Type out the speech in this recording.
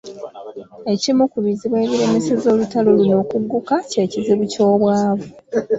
Ekimu ku bizibu ebiremesezza olutalo luno okugguka kye kizibu ky’obwavu.